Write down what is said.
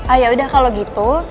ah yaudah kalo gitu